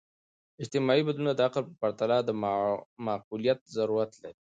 اجتماعي بدلونونه د عقل په پرتله د معقولیت ضرورت لري.